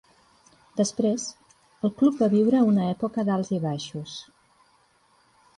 Després, el club va viure una època d'alts i baixos.